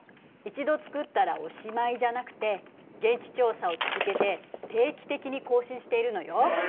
一度作ったらおしまいじゃなくて現地調査を続けて定期的に更新しているのよ。